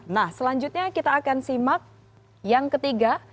nah selanjutnya kita akan simak yang ketiga